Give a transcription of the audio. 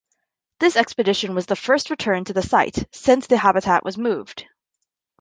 This expedition was the first return to the site since the habitat was moved.